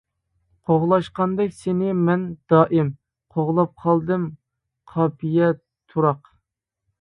قوغلاشقاندەك سىنى مەن دائىم، قوغلاپ قالدىم قاپىيە تۇراق.